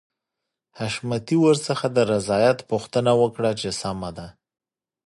حشمتي ورڅخه د رضايت پوښتنه وکړه چې سمه ده.